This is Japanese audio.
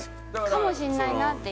かもしれないなっていう。